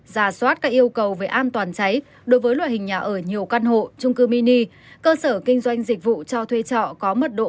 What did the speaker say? giả soát các yêu cầu về an toàn cháy đối với loại hình nhà ở nhiều căn hộ trung cư mini cơ sở kinh doanh dịch vụ cho thuê trọ có mật độ